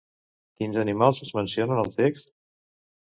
Quins animals es mencionen al text?